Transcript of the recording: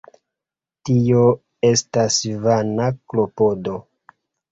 Tio estas vana klopodo.